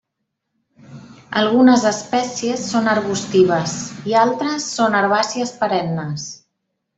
Algunes espècies són arbustives i altres són herbàcies perennes.